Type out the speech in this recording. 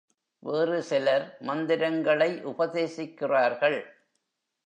வேறு சிலர் மந்திரங்களை உபதேசிக்கிறார்கள்.